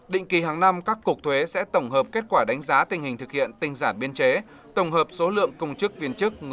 định kỳ hàng năm các cục thuế sẽ tổng hợp kết quả đánh giá tình hình thực hiện